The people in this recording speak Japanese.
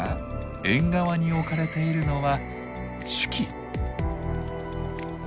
縁側に置かれているのは酒器。